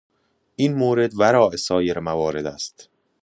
این مورد وراء سایر موارد است.